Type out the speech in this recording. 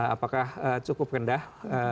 apakah cukup rendah